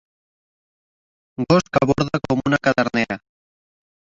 Gos que borda com una cadernera.